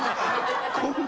こんな。